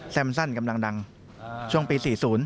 สั้นกำลังดังช่วงปี๔๐